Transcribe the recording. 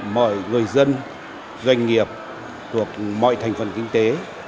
mọi người dân doanh nghiệp thuộc mọi thành phần kinh tế